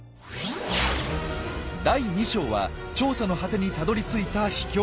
第２章は調査の果てにたどりついた秘境！